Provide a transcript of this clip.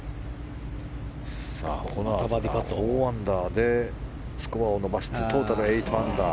４アンダーでスコアを伸ばしてトータル８アンダー。